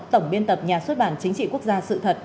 tổng biên tập nhà xuất bản chính trị quốc gia sự thật